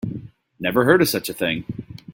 Never heard of such a thing.